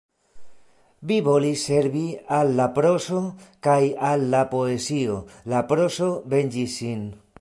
Vi volis servi al la prozo kaj al la poezio; la prozo venĝis sin.